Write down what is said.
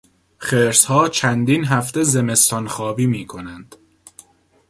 خرسها چندین هفته زمستانخوابی میکنند.